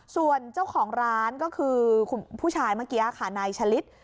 ส่วนเจ้าของร้านก็คือคุณผู้ชายเมื่อกี้ค่ะนายชะลิด